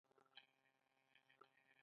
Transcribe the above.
د پښتو پۀ تاريخي حېثيت او اهميت باندې